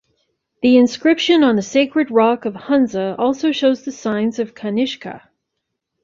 The inscription on The Sacred Rock of Hunza also shows the signs of Kanishka.